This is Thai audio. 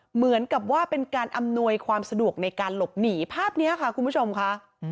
เหมือนกับว่าเป็นการอำนวยความสะดวกในการหลบหนีภาพนี้ค่ะคุณผู้ชมค่ะ